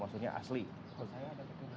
kalau saya ada keturunan juga